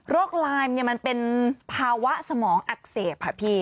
โรคไลม์มันเป็นภาวะสมองอักเสบครับพี่